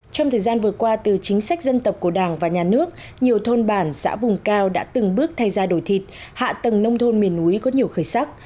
trong thời gian vừa qua từ chính sách dân tộc của đảng và nhà nước nhiều thôn bản xã vùng cao đã từng bước thay ra đổi thịt hạ tầng nông thôn miền núi có nhiều khởi sắc